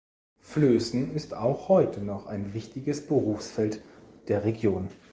Flößen ist auch heute noch ein wichtiges Berufsfeld der Region.